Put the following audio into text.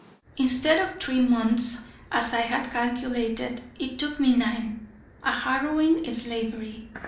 Instead of three months, as I had calculated, it took me nine: a harrowing slavery.